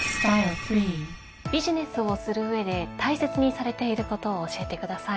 ビジネスをする上で大切にされていることを教えてください。